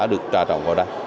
đã được trà trồng vào đây